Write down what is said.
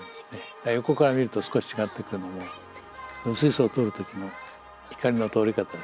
だから横から見ると少し違ってくるのも薄い層を通る時の光の通り方ですね。